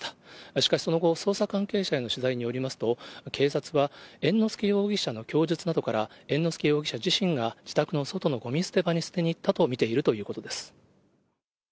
しかしその後、捜査関係者への取材によりますと、警察は猿之助容疑者の供述などから、猿之助容疑者自身が自宅の外のごみ捨て場に捨てに行ったと見ているということです。